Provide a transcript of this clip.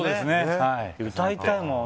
歌いたいもん。